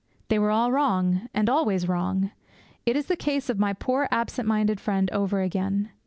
They were all wrong, and always wrong. It is the case of my poor absent minded friend over again.